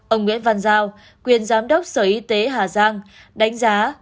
ông nguyễn văn giao quyền giám đốc sở y tế hà giang đánh giá